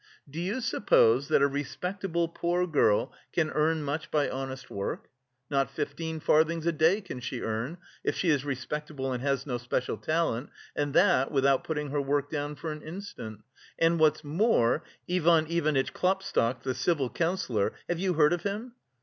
Do you suppose that a respectable poor girl can earn much by honest work? Not fifteen farthings a day can she earn, if she is respectable and has no special talent and that without putting her work down for an instant! And what's more, Ivan Ivanitch Klopstock the civil counsellor have you heard of him?